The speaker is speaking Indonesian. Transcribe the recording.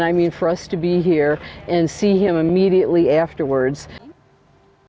dan saya ingin kita berada di sini dan melihatnya segera kemudian